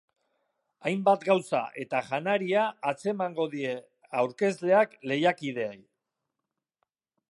Hainbat gauza eta janaria atzemango die aurkezleak lehiakideei.